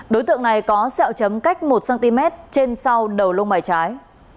đối tượng này có xẹo chấm cách một cm trên sau đầu lông bài trái